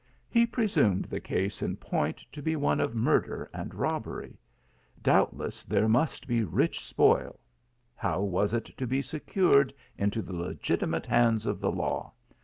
He presumed the case in point to be one of murder and robbery ; doubtless there must be ri h spoil ; how was it to be secured into the legitimate hands of the law